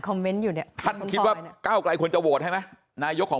คอมเมนต์อยู่เนี่ยคิดว่า๙กลายควรจะโหวดให้ไหมนายกของ